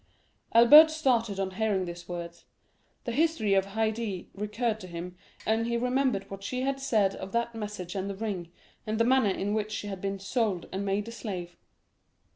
'" Albert started on hearing these words; the history of Haydée recurred to him, and he remembered what she had said of that message and the ring, and the manner in which she had been sold and made a slave.